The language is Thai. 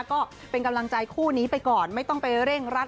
ก็เป็นกำลังใจคู่นี้ไปก่อนไม่ต้องไปเร่งรัด